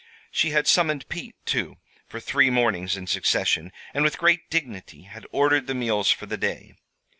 She had summoned Pete, too, for three mornings in succession, and with great dignity had ordered the meals for the day.